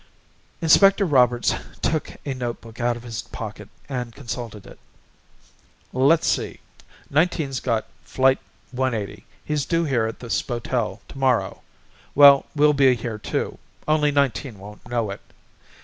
Inspector Roberts took a notebook out of his pocket and consulted it. "Let's see, Nineteen's got Flight 180, he's due here at the spotel tomorrow. Well, we'll be here too, only Nineteen won't know it.